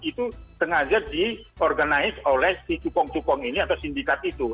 itu sengaja di organize oleh si cupong cupong ini atau sindikat itu